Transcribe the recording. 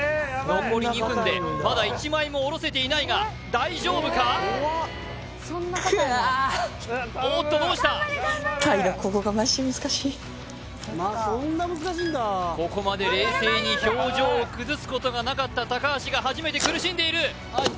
残り２分でまだ一枚もおろせていないが大丈夫かおっとどうしたここまで冷静に表情を崩すことがなかった高橋が初めて苦しんでいる